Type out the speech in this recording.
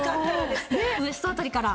ウエストあたりから。